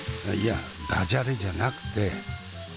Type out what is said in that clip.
いやダジャレじゃなくて。